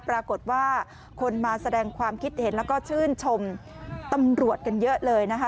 ปรากฏว่าคนมาแสดงความคิดเห็นแล้วก็ชื่นชมตำรวจกันเยอะเลยนะคะ